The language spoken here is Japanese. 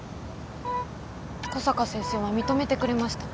小坂先生は認めてくれました。